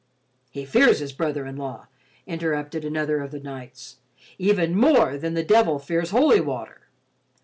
"He fears his brother in law," interrupted another of the knights, "even more than the devil fears holy water.